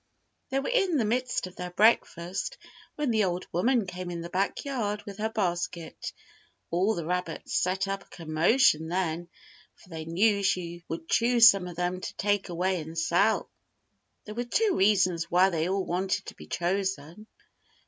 They were in the midst of their breakfast when the old woman came in the backyard with her basket. All the rabbits set up a commotion then, for they knew she would choose some of them to take away and sell. There were two reasons why they all wanted to be chosen.